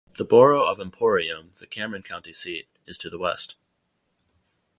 The borough of Emporium, the Cameron County seat, is to the west.